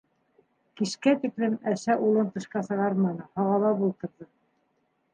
Кискә тиклем әсә улын тышҡа сығарманы, һағалап ултырҙы.